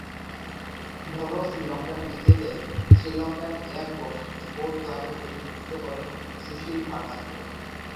ঘরোয়া শ্রীলঙ্কান ক্রিকেটে Sri Lankan air force sports ক্লাবের প্রতিনিধিত্ব করেন সুশীল ফার্নান্দো।